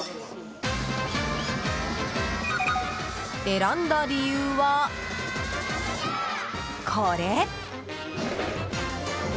選んだ理由は、これ。